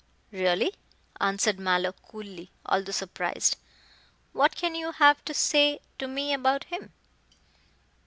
"Really," answered Mallow coolly, although surprised, "what can you have to say to me about him."